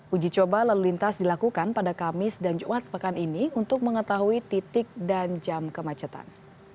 uji coba lalu lintas dilakukan pada kamis dan jumat pekan ini untuk mengetahui titik dan jam kemacetan